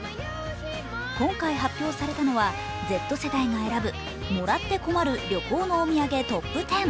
今回発表されたのはＺ世代が選ぶもらって困る旅行のお土産トップ１０。